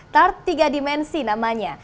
tar tiga dimensi namanya